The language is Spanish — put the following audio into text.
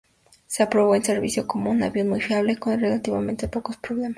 Se probó en servicio como un avión muy fiable con relativamente pocos problemas.